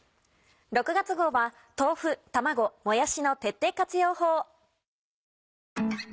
６月号は豆腐卵もやしの徹底活用法。